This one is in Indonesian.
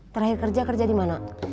terakhir kerja kerja di mana